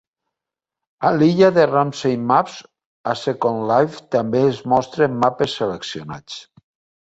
A l'illa de Rumsey Maps a Second Life també es mostren mapes seleccionats.